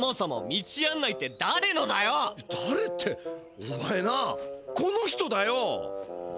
だれっておまえなこの人だよ！